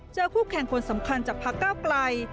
คู่แข่งคนสำคัญจากพักเก้าไกล